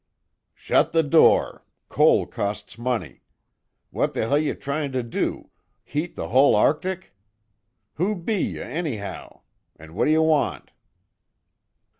"Shut the door! Coal costs money. What the hell ye tryin' to do, heat the hull Ar'tic? Who be ye, anyhow? An' wot d'ye want?"